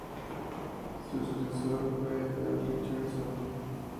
Su sucesor fue Dan Richardson.